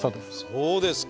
そうですか。